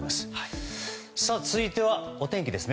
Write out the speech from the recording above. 続いてはお天気です。